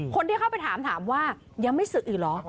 คนที่เข้าไปถามถามว่ายังไม่ศึกอีกเหรอ